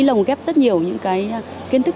lồng ghép rất nhiều những cái kiến thức